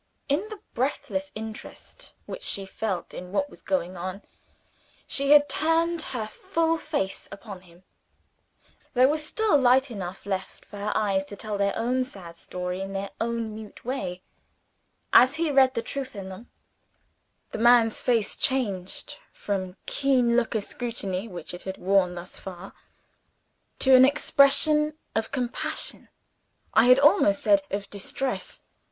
In the breathless interest which she felt in what was going on, she had turned her full face upon him. There was still light enough left for her eyes to tell their own sad story, in their own mute way. As he read the truth in them, the man's face changed from the keen look of scrutiny which it had worn thus far, to an expression of compassion I had almost said, of distress.